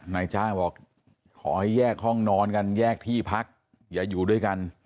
นายจ้างบอกขอให้แยกห้องนอนกันแยกที่พักอย่าอยู่ด้วยกัน